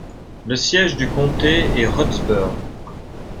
Le siège du comté est Rustburg.